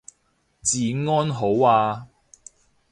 治安好啊